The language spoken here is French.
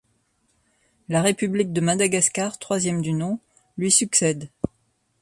La République de Madagascar, troisième du nom, lui succède.